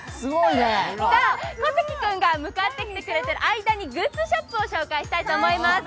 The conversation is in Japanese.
小関君が向かってきてくれてる間にグッズショップを紹介したいと思います。